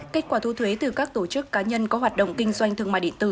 kết quả thu thuế từ các tổ chức cá nhân có hoạt động kinh doanh thương mại điện tử